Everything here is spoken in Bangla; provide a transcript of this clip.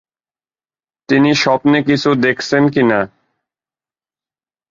তিনি স্বপ্নে কিছু দেখেছেন কিনা।